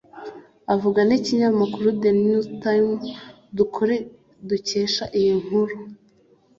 Avugana n’ikinyamakuru the New Times dukesha iyi nkuru